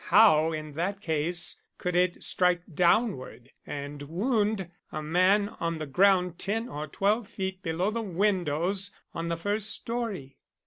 How in that case could it strike downward and wound a man on the ground ten or twelve feet below the windows on the first story?"